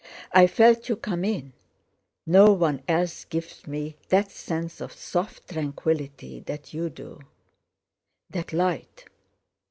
I felt you come in. No one else gives me that sense of soft tranquillity that you do... that light.